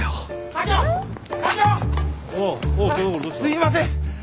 すいません。